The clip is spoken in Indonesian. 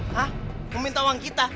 hah meminta uang kita